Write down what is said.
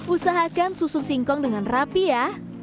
usahakan susun singkong dengan rapi ya